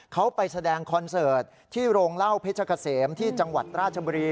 เขาไปแสดงคอนเสิร์ตที่โรงเล่าเพชรเกษมที่จังหวัดราชบุรี